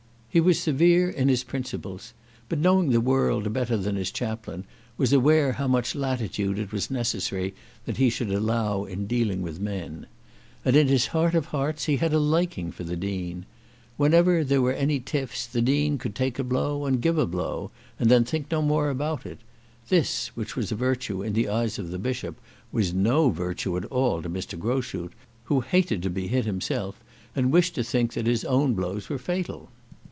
He was severe in his principles; but, knowing the world better than his chaplain, was aware how much latitude it was necessary that he should allow in dealing with men. And in his heart of hearts he had a liking for the Dean. Whenever there were any tiffs the Dean could take a blow and give a blow, and then think no more about it. This, which was a virtue in the eyes of the Bishop, was no virtue at all to Mr. Groschut, who hated to be hit himself and wished to think that his own blows were fatal.